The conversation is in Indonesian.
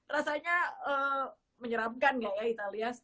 rasanya menyeramkan gak ya italia